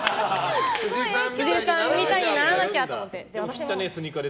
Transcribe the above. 辻さんみたいにならなきゃと思って。